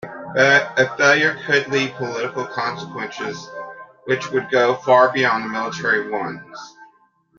A failure could leave political consequences, which would go far beyond the military ones.